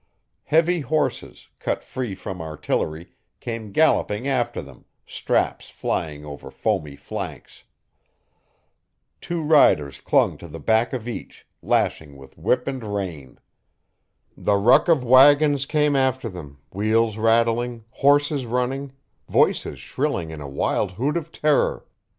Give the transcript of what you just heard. Heavy horses, cut free from artillery, came galloping after them, straps flying over foamy flanks. Two riders clung to the back of each, lashing with whip and rein. The nick of wagons came after them, wheels rattling, horses running, voices shrilling in a wild hoot of terror.